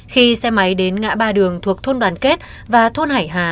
khi xe máy đến ngã ba đường thuộc thôn đoàn kết và thôn hải hà